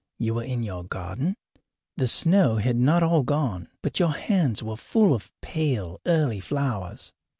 You were in your garden. The snow had not all gone, but your hands were full of pale, early flowers.